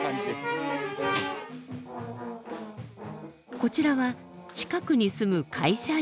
こちらは近くに住む会社員。